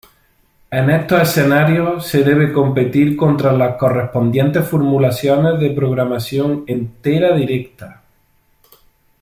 En estos escenarios, se debe competir contra las correspondientes formulaciones de programación entera directa.